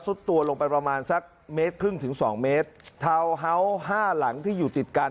ตัวลงไปประมาณสักเมตรครึ่งถึงสองเมตรทาวน์เฮาส์ห้าหลังที่อยู่ติดกัน